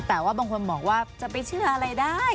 แต่ว่าบางคนบอกว่าจะไปเชื่ออะไรได้